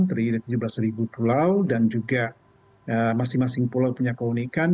terdiri dari tujuh belas pulau dan juga masing masing pulau punya keunikan